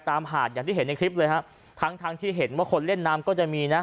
หาดอย่างที่เห็นในคลิปเลยฮะทั้งทั้งที่เห็นว่าคนเล่นน้ำก็จะมีนะ